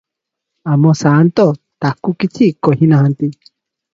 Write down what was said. ଆମ ସାଆନ୍ତ ତାକୁ କିଛି କହିନାହାନ୍ତି ।